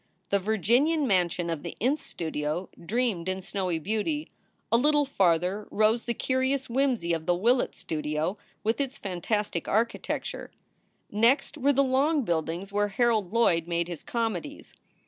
The Virginian mansion of the Ince Studio dreamed in snowy beauty. A little farther rose the curious whimsy of the Willat Studio with its fantastic architecture; next were the long buildings where Harold Lloyd made his comedies.